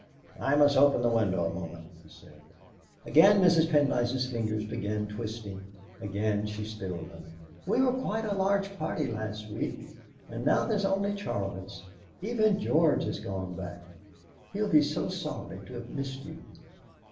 "I must open the window a moment," he said. Again Mrs. Pendyce's fingers began twisting, again she stilled them. "We were quite a large party last week, and now there's only Charles. Even George has gone back; he'll be so sorry to have missed you!"